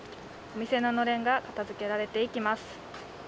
店ののれんが片付けられていきます。